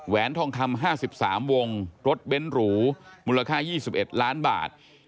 ทองคำ๕๓วงรถเบ้นหรูมูลค่า๒๑ล้านบาท